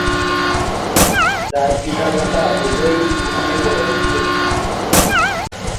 তাঁর পিতা-মাতা উভয়েই মুসলিম হয়েছিলেন।